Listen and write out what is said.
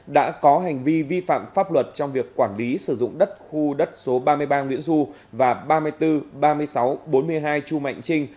đã có hành vi vi phạm pháp luật trong việc quản lý sử dụng đất khu đất số ba mươi ba nguyễn du và ba mươi bốn ba mươi sáu bốn mươi hai chu mạnh trinh